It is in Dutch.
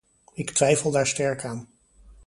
Ik twijfel daar sterk aan.